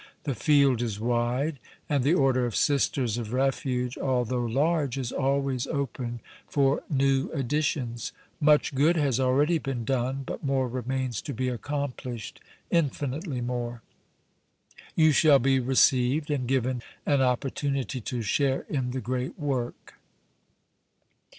"The field is wide, and the Order of Sisters of Refuge, although large, is always open for new additions. Much good has already been done, but more remains to be accomplished, infinitely more. You shall be received and given an opportunity to share in the great work."